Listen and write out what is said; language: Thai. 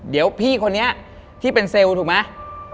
เดี๋ยวพี่คนนี้ที่เป็นเซลล์ถูกไหม